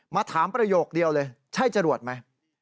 มาถามประโยคเดียวเลยใช่จรวดไหม